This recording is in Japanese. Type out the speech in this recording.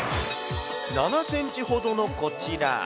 ７センチほどのこちら。